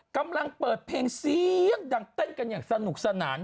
กำลังเปิดเพลงเสียงดังเต้นกันอย่างสนุกสนาน